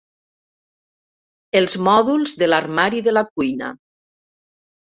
Els mòduls de l'armari de la cuina.